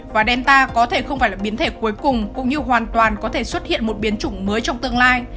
và delta có thể không phải là biến thể cuối cùng cũng như hoàn toàn có thể xuất hiện một biến chủng mới trong tương lai